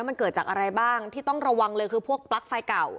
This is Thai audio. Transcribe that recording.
มันเกิดจากอะไรบ้างที่ต้องระวังเลยคือพวกปลั๊กไฟเก่า